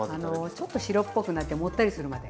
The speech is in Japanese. ちょっと白っぽくなってもったりするまで。